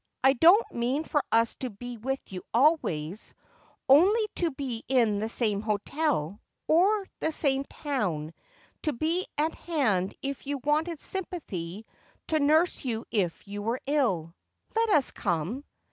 I don't mean for us to be with you always, only to be in the same hotel, or the same town, to be at hand if you wanted sympathy, to nurse you if you were ill. Let us come.'